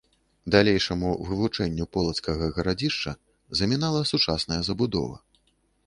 Далейшаму вывучэнню полацкага гарадзішча замінала сучасная забудова.